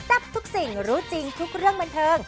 ทับทุกสิ่งรู้จริงทุกเรื่องบันเทิง